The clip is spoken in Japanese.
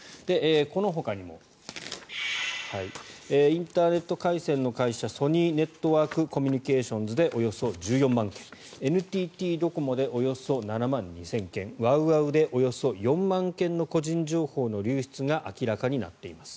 このほかにもインターネット回線の会社ソニーネットワークコミュニケーションズでおよそ１４万件ＮＴＴドコモでおよそ７万２０００件ＷＯＷＯＷでおよそ４万件の個人情報の流出が明らかになっています。